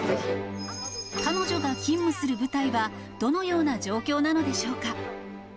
彼女が勤務する部隊は、どのような状況なのでしょうか。